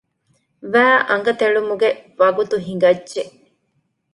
ވައި އަނގަތެޅުމުގެ ވަގުތު ހިނގައްޖެ